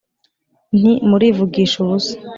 nti "murivugisha ubusa,